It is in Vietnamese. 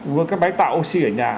mua cái máy tạo oxy ở nhà